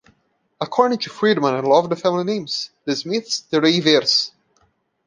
According to Freedman I loved the family names - the Smiths, the Reivers.